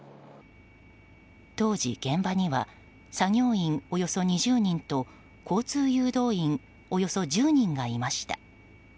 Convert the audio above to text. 当時、現場には作業員およそ２０人と交通誘導員およそ１０人がいました。